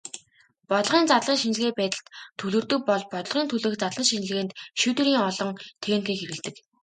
Бодлогын задлан шинжилгээ байдалд төвлөрдөг бол бодлогын төлөөх задлан шинжилгээнд шийдвэрийн олон техникийг хэрэглэдэг.